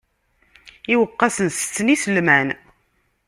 Iweqqasen tetten iselman.